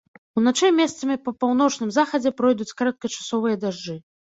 Уначы месцамі па паўночным захадзе пройдуць кароткачасовыя дажджы.